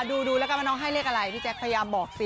ดูแล้วกันว่าน้องให้เลขอะไรพี่แจ๊คพยายามบอกสิ